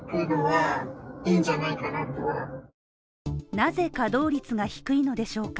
なぜ稼働率が低いのでしょうか